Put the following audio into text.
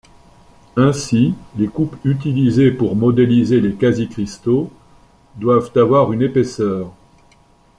Ainsi, les coupes utilisées pour modéliser les quasi-cristaux doivent avoir une épaisseur.